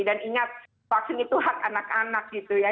dan ingat vaksin itu hak anak anak gitu ya